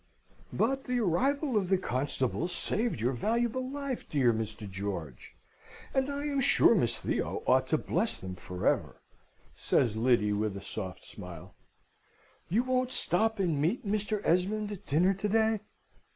"But the arrival of the constables saved your valuable life, dear Mr. George, and I am sure Miss Theo ought to bless them forever," says Lyddy, with a soft smile. "You won't stop and meet Mr. Esmond at dinner to day?